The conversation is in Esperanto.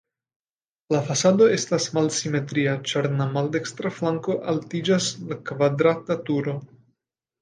La fasado estas malsimetria, ĉar en la maldekstra flanko altiĝas la kvadrata turo.